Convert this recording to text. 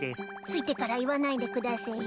着いてから言わないでくだせい。